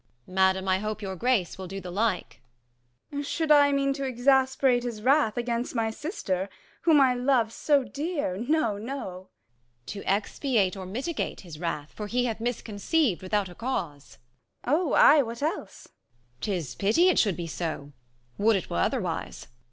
Madam, I hope your grace will do the like. Gon. Should I be a mean to exasperate his wrath I 58 KING LEIR AND [Acr IV Against my sister, whom I love so dear ? no, no. 60 Amb. To expiate or mitigate his wrath : For he hath rnisqonqeiv'd without a cause. Gon. Oh, ay, what else ? Amb. 'Tis pity it should be so ; would it were otherwise.